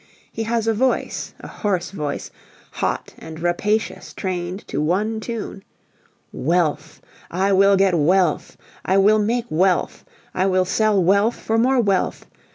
He has a voice, a hoarse voice, hot and rapacious trained to one tune: "Wealth! I will get Wealth! I will make Wealth! I will sell Wealth for more Wealth!